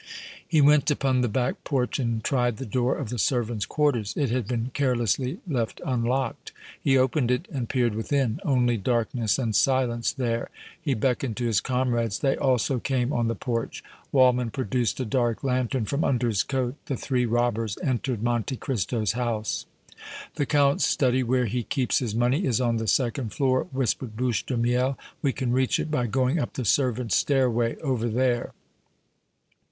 He went upon the back porch and tried the door of the servants' quarters. It had been carelessly left unlocked. He opened it and peered within. Only darkness and silence there. He beckoned to his comrades; they also came on the porch. Waldmann produced a dark lantern from under his coat; the three robbers entered Monte Cristo's house. "The Count's study where he keeps his money is on the second floor," whispered Bouche de Miel. "We can reach it by going up the servants' stairway over there."